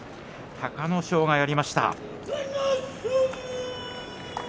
隆の勝がやりました。